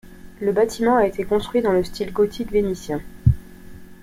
Le bâtiment a été construit dans le style gothique vénitien.